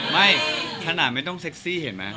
ไม่ขนาดไม่ต้องเซ็กซี่เห็นไหม